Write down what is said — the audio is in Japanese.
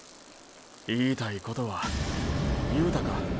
言いたいことは言うたか。